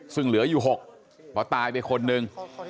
ซึ่งเหลืออยู่๖เพราะตายไปคนหนึ่ง